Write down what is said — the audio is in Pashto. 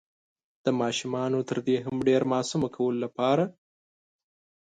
د ماشومانو تر دې هم ډير معصومه کولو لپاره